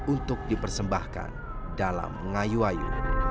untuk dipersembahkan dalam ngayu ayu